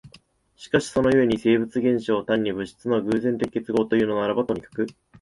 しかしその故に生物現象を単に物質の偶然的結合というのならばとにかく、